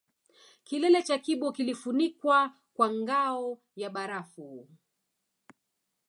Kilele cha Kibo kilifunikwa kwa ngao ya barafu